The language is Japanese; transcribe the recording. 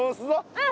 うん！